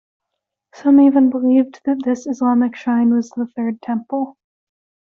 Some even believed that this Islamic shrine was the third temple.